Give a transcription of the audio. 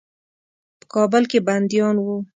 په کابل کې بندیان ول.